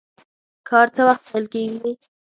کار څه وخت پیل کیږي؟